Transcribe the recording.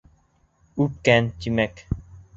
Үпкән, тимәк.